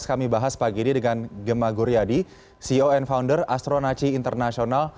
kami bahas pagi ini dengan gemma guryadi ceo and founder astronaci international